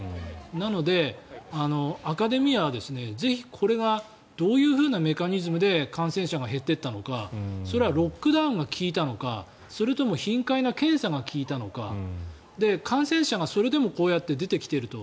なので、アカデミアぜひ、これがどういうメカニズムで感染者が減っていったのかそれはロックダウンが効いたのかそれとも頻回な検査が効いたのか感染者がそれでもこうやって出てきていると